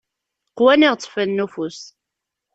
Qwan iɣezzfanen ufus.